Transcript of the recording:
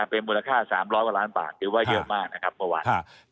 เป็นมูลค่า๓๐๐กว่าล้านบาทถือว่าเยอะมากนะครับเมื่อวาน